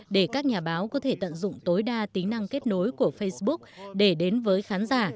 để các nhà báo có thể tận dụng tối đa tính năng kết nối của facebook để đến với khán giả